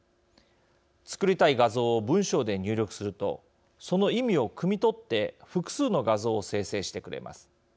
作りたい画像を文章で入力するとその意味をくみ取って複数の画像を生成してくれます。